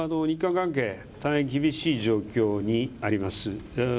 日韓関係大変厳しい状況にあります。